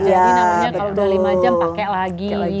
jadi namanya kalau sudah lima jam pakai lagi